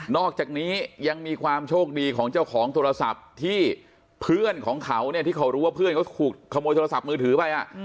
อกจากนี้ยังมีความโชคดีของเจ้าของโทรศัพท์ที่เพื่อนของเขาเนี่ยที่เขารู้ว่าเพื่อนเขาถูกขโมยโทรศัพท์มือถือไป